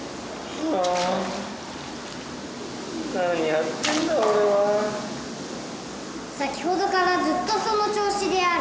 先ほどからずっとその調子であるな。